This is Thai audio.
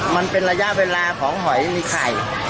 มันเป็นระยะเวลาของหอยมีไข่